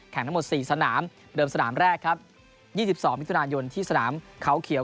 แข่งทั้งหมดสี่สนามเดิมสนามแรกครับยี่สิบสองมิถุนายนที่สนามเขาเขียว